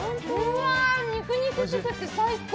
肉々しくて、最高！